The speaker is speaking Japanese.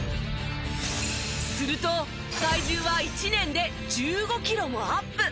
すると体重は１年で１５キロもアップ！